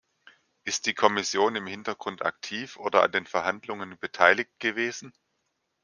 Ist die Kommission im Hintergrund aktiv oder an den Verhandlungen beteiligt gewesen?